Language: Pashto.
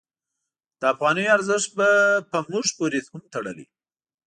د افغانیو ارزښت په موږ پورې هم تړلی.